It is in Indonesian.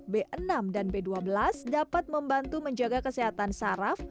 b enam dan b dua belas dapat membantu menjaga kesehatan saraf